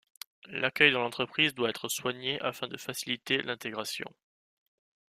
L'accueil dans l'entreprise doit être soigné afin de faciliter l'intégration.